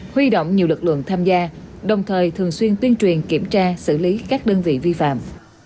huy động nhiều lực lượng tham gia đồng thời thường xuyên tuyên truyền kiểm tra xử lý các đơn vị vi phạm